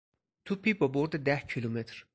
توپی با برد ده کیلومتر